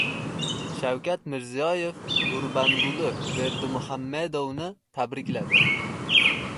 Shavkat Mirziyoyev Gurbanguli Berdimuhamedovni tabrikladi